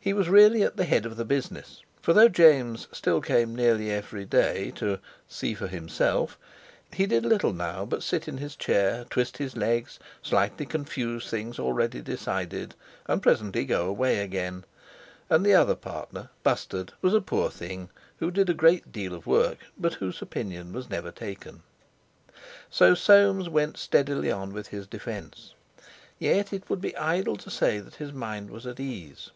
He was really at the head of the business, for though James still came nearly every day to, see for himself, he did little now but sit in his chair, twist his legs, slightly confuse things already decided, and presently go away again, and the other partner, Bustard, was a poor thing, who did a great deal of work, but whose opinion was never taken. So Soames went steadily on with his defence. Yet it would be idle to say that his mind was at ease.